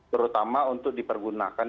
terutama untuk dipergunakan